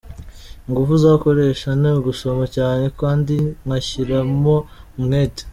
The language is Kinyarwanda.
Ingufu nzakoresha ni ugusoma cyane kandi nkashyiramo umwete.